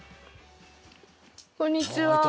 こんにちは